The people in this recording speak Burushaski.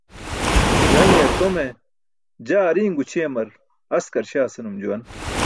Gaṅiyar tome, "jaa ari̇n gućʰiyamar askarśaa" senum juwan.